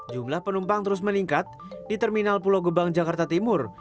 jumlah penumpang terus meningkat di terminal pulau gebang jakarta timur